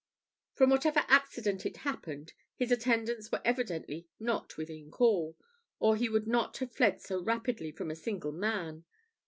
From whatever accident it happened, his attendants were evidently not within call, or he would not have fled so rapidly from a single man.